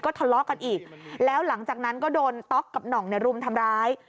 ทะเลาะกันอีกแล้วหลังจากนั้นก็โดนต๊อกกับหน่องรุมทำร้าย